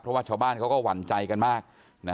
เพราะว่าชาวบ้านเขาก็หวั่นใจกันมาก